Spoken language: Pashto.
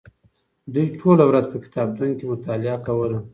دوی ټوله ورځ په کتابتون کې مطالعه کوله.